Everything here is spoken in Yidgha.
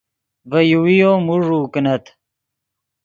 ڤے یوویو موݱوؤ کینت